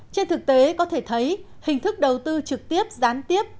trên thực tế có thể thấy hình thức đầu tư trực tiếp gián tiếp